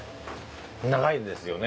長いんですよね？